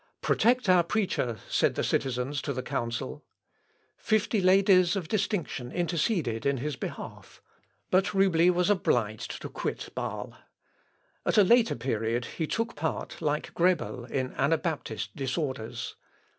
"Protect our preacher," said the citizens to the council. Fifty Ladies of distinction interceded in his behalf; but Roubli was obliged to quit Bâle. At a later period he took part like Grebel in Anabaptist disorders.